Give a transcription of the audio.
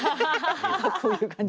こういう感じで。